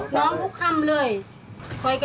หน้ากลับโด่งดึกคล่ำเลย